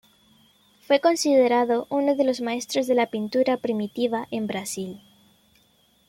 Fue considerado uno de los maestros de la pintura primitiva en Brasil.